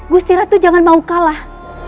gusti ratu jangan mau kalah